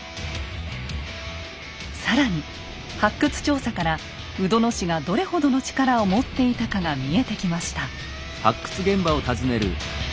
更に発掘調査から鵜殿氏がどれほどの力を持っていたかが見えてきました。